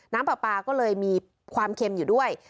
น้ำปลาปลาก็เลยมีความเค็มอยู่ด้วย